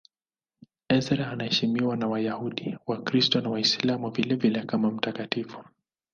Ezra anaheshimiwa na Wayahudi, Wakristo na Waislamu vilevile kama mtakatifu.